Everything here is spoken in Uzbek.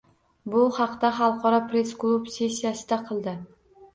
Bu haqda Xalqaro press-klub sessiyasida qildi